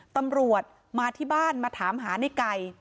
ตำรวจมาที่บ้านมาถามหาในไก่